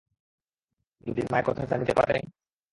যদি মা একথা জানিতে পারে?